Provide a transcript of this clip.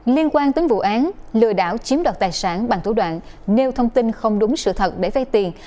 liên quan đến vụ án lừa đảo chiếm đoạt tài sản bằng thủ đoạn nêu thông tin không đúng sự thật để vay tiền